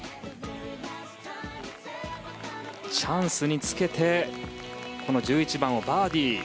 チャンスにつけてこの１１番をバーディー。